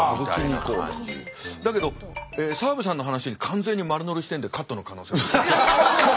だけど澤部さんの話に完全に丸乗りしてるんでカットの可能性が。